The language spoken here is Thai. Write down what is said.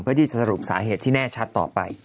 เพื่อที่จะสรุปสาเหตุที่แน่ชัดต่อไป